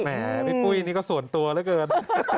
แม่พี่ปุ๊ยนี่ก็ส่วนตัวแล้วเกิน